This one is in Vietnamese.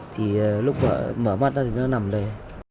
thì lúc mở mắt ra thì nó nằm đây